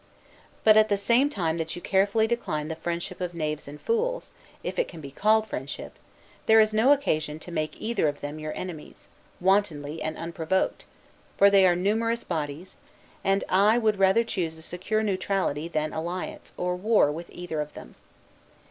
But, at the same time that you carefully decline the friendship of knaves and fools, if it can be called friendship, there is no occasion to make either of them your enemies, wantonly and unprovoked; for they are numerous bodies: and I, would rather choose a secure neutrality, than alliance, or war with either of them.